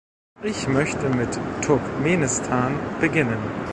Ich möchte mit Turkmenistan beginnen.